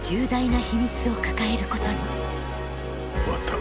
終わった。